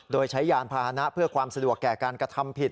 โดยใช้ยานพาหนะเพื่อความสะดวกแก่การกระทำผิด